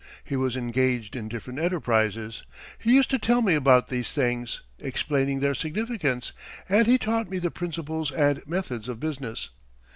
He was engaged in different enterprises; he used to tell me about these things, explaining their significance; and he taught me the principles and methods of business.